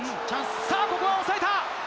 さあ、ここは抑えた。